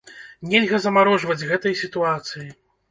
Нельга замарожваць гэтай сітуацыі.